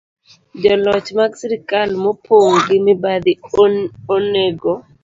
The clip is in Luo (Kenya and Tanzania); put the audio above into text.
Joloch mag sirkal mopong ' gi mibadhi onego